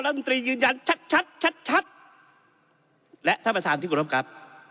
รัฐมนตรียืนยันชัดชัดชัดและท่านประธานที่กรบครับ